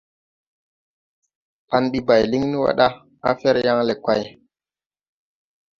Pan bi bay lin ni wa da, à fer yan le kway.